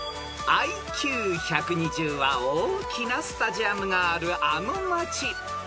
［ＩＱ１２０は大きなスタジアムがあるあの町］